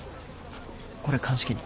これ鑑識に。